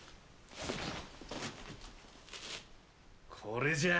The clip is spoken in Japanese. これじゃ！